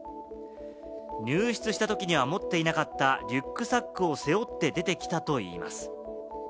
入室したときには持っていなかったリュックサックを背負って出てきたといいます。